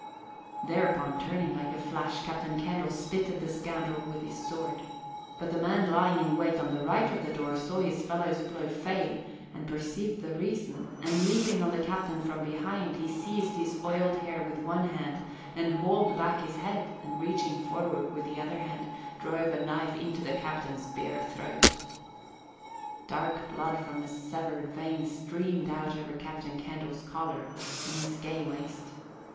Thereupon, turning like a flash, Captain Candle spitted the scoundrel with his sword. But the man lying in wait on the right of the door saw his fellow's blow fail and perceived the reason, and leaping on the captain from behind, he seized his oiled hair with one hand and hauled back his head, and reaching forward with the other hand, drove a knife into the captain's bare throat. Dark blood from a severed vein streamed out over Captain Candle's collar and his gay waist.